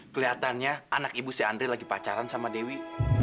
keliatannya anak ibu si andre lagi pacaran sama dewi